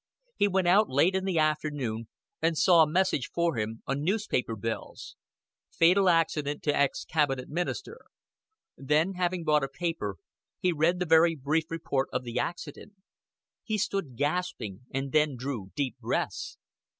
He went out late in the afternoon, and saw a message for him on newspaper bills: "Fatal Accident to ex Cabinet Minister." Then, having bought a paper, he read the very brief report of the accident. He stood gasping, and then drew deep breaths.